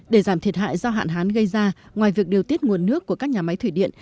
để giảm thiệt hại do hạn hán gây ra ngoài việc điều tiết nguồn nước của các nhà máy thủy điện